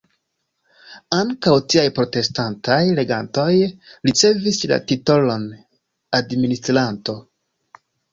Ankaŭ tiaj protestantaj regantoj ricevis la titolon "administranto".